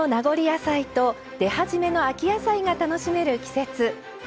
野菜と出始めの秋野菜が楽しめる季節。